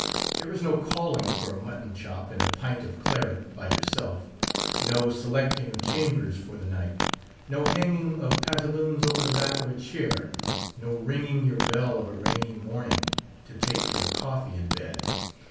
There is no calling for a mutton chop and a pint of claret by yourself; no selecting of chambers for the night; no hanging of pantaloons over the back of a chair; no ringing your bell of a rainy morning, to take your coffee in bed.